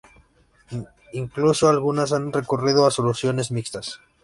Incluso algunas han recurrido a soluciones mixtas.